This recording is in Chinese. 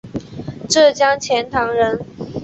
浙江钱塘人。